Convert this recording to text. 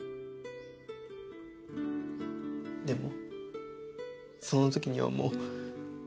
でもその時にはもう。